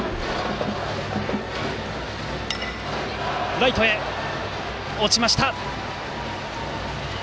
ライトへ落ちました。